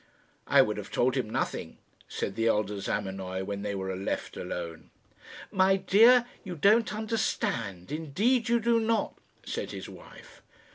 "I would have told him nothing," said the elder Zamenoy when they were left alone. "My dear, you don't understand; indeed you do not," said his wife.